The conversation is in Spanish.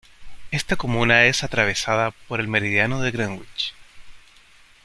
Esta comuna es atravesada por el Meridiano de Greenwich.